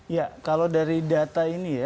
ya kalau dari data ini ya